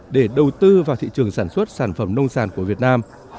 để đầu tư vào thị trường sản xuất sản phẩm nông sản của việt nam